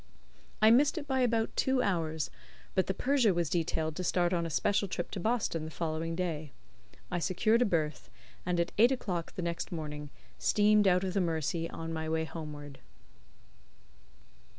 I missed it by about two hours, but the Persia was detailed to start on a special trip to Boston on the following day. I secured a berth, and at eight o'clock the next morning steamed out of the Mersey on my way homeward.